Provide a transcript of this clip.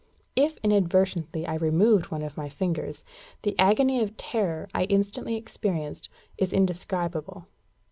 If inadvertently I removed one of my fingers, the agony of terror I instantly experienced is indescribable.